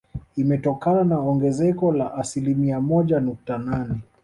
Imetokana na ongezeko la asilimia moja nukta nane